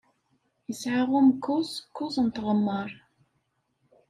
Yesɛa umkuẓ kuẓ n tɣemmar.